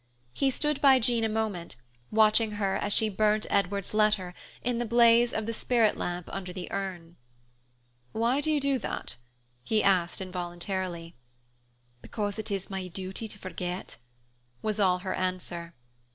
He stood by Jean a moment, watching her as she burnt Edward's letter in the blaze of the spirit lamp under the urn. "Why do you do that?" he asked involuntarily. "Because it is my duty to forget" was all her answer.